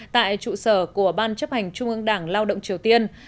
tại trụ sở của ban chấp hành trung ương đảng lao động triều tiên